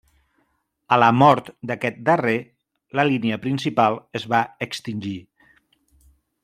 A la mort d'aquest darrer, la línia principal es va extingir.